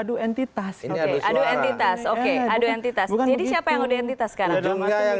adu adu entitas adu adu entitas adu adu entitas jadi siapa yang udah entitas karena juga yang